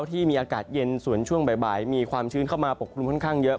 ที่มีอากาศเย็นส่วนช่วงบ่ายมีความชื้นเข้ามาปกคลุมค่อนข้างเยอะ